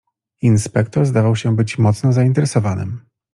"Inspektor zdawał się być mocno zainteresowanym."